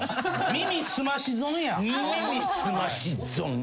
耳すまし損。